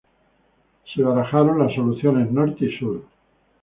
Se barajaron las soluciones Norte y Sur.